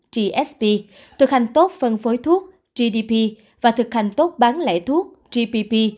gsb thực hành tốt phân phối thuốc gdp và thực hành tốt bán lẻ thuốc gpp